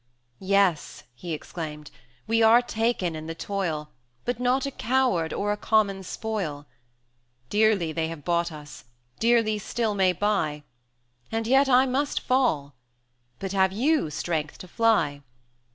"Yes," he exclaimed, "we are taken in the toil, But not a coward or a common spoil; Dearly they have bought us dearly still may buy, And I must fall; but have you strength to fly?